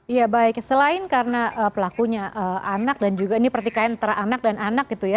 ya baik selain karena pelakunya anak dan juga ini pertikaian antara anak dan anak gitu ya